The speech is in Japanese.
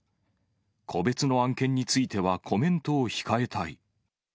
個別の案件については、コメントを控えたい。